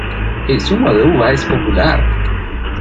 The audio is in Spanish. El zumo de uva es popular.